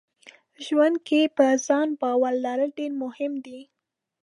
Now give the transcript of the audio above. ژوند کې په ځان باور لرل ډېر مهم دي.